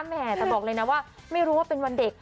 แม่แต่บอกเลยนะว่าไม่รู้ว่าเป็นวันเด็ก